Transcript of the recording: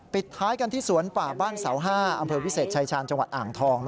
ปิดท้ายกันที่สวนป่าบ้านเสา๕อำเภอวิเศษชายชาญจังหวัดอ่างทอง